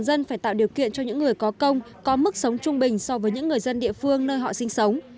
dân phải tạo điều kiện cho những người có công có mức sống trung bình so với những người dân địa phương nơi họ sinh sống